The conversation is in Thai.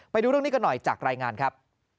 ไปดูเรื่องนี้กันหน่อยจากรายงานครับ